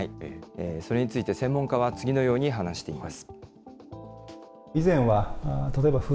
それについて専門家は次のように話しています。